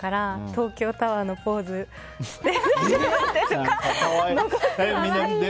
東京タワーのポーズって。